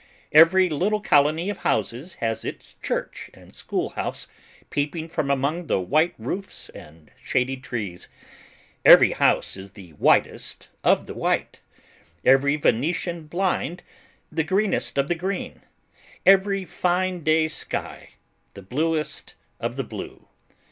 Every little colony of houses has its church and school house peeping from among the white roofs and shady trees; every house is the whitest of the white; every Venetian blind the greenest of the green; every fine day's sky the bluest of the blue.